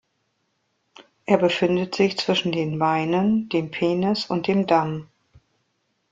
Er befindet sich zwischen den Beinen, dem Penis und dem Damm.